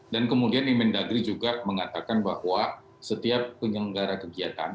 dan kemudian imen dagri juga mengatakan bahwa setiap penyelenggara kegiatan